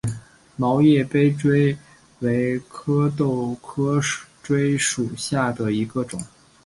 毛叶杯锥为壳斗科锥属下的一个种。